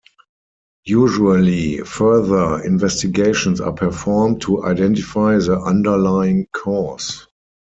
Usually, further investigations are performed to identify the underlying cause.